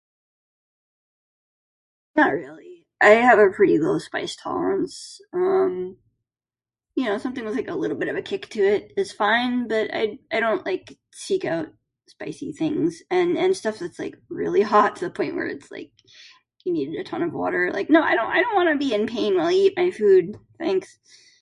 Not really. I have a pretty low spice tolerance. Um, you know something with like a little bit of a kick to it is fine, but I I don't, like, seek out spicy things. And and stuff that's like really hot, to the point where it's like you need a ton of water, like, no, I don't I don't wanna be in pain while I eat my food, thanks.